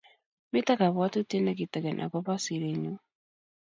Mito kabwotutie ne kitegen akobo sirenyu